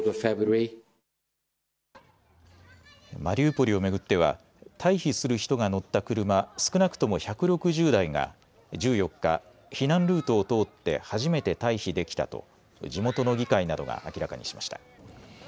マリウポリを巡っては退避する人が乗った車少なくとも１６０台が１４日、避難ルートを通って初めて退避できたと地元の議会などが明らかにしました。